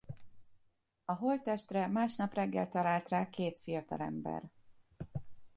A holttestre másnap reggel talált rá két fiatalember.